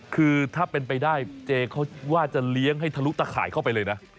คือถ้าเป็นไปได้เจเขาว่าจะเลี้ยงให้ทะลุตะข่ายเข้าไปเลยนะ